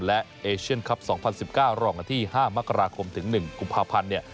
และเอเชียนคลับ๒๐๑๙รองกันที่๕มกราคมถึง๑กุมภาพันธ์เนี่ย